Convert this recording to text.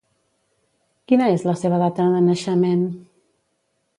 Quina és la seva data de naixement?